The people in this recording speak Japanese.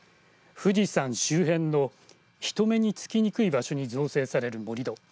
富士山周辺の人目につきにくい場所に造成される盛り土。